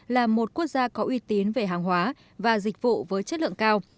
là một quốc gia có uy tín về hàng hóa và dịch vụ với chất lượng cao